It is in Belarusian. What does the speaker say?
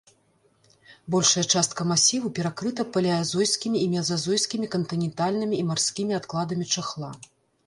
Большая частка масіву перакрыта палеазойскімі і мезазойскімі кантынентальнымі і марскімі адкладамі чахла.